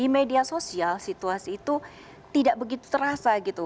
di media sosial situasi itu tidak begitu terasa gitu